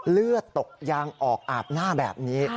เลือดตกยางออกอาบหน้าแบบนี้